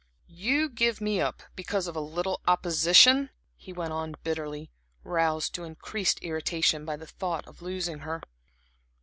"You give me up because of a little opposition?" he went on bitterly, roused to increased irritation by the thought of losing her.